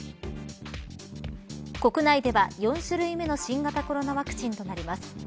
国内では、４種類目の新型コロナワクチンとなります。